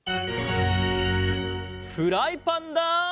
フライパンだ！